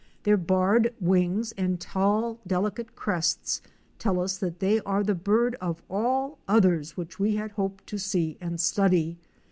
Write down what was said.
Their barred wings and tall, delicate crests tell us that they are the bird of all others which we had hoped to see and study.